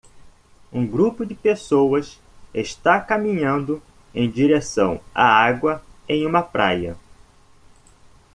Um grupo de pessoas está caminhando em direção à água em uma praia